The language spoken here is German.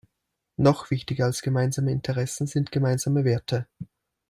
Noch wichtiger als gemeinsame Interessen sind gemeinsame Werte.